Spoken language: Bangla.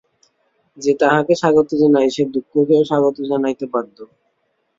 যে তাহাকে স্বাগত জানায়, সে দুঃখকেও স্বাগত জানাইতে বাধ্য।